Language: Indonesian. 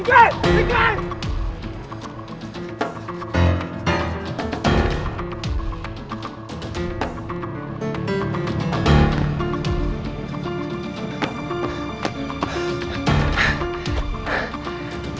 angkat aja gue kalau bisa